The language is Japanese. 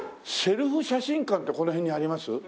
セルフ写真館ってこの辺にあります？